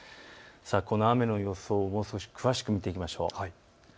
この雨の予想をもう少し詳しく見ていきましょう。